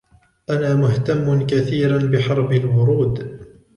أنا مهتم كثيرا بحرب الورود.